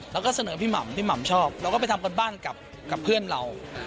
แล้วก็เสนอพี่หม่ำพี่หม่ำชอบเราก็ไปทำการบ้านกับเพื่อนเรา